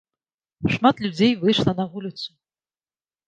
Шмат людзей выйшла на вуліцу.